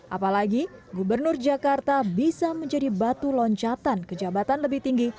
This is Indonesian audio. apalagi gubernur jakarta bisa menjadi batu loncatan ke jabatan lebih tinggi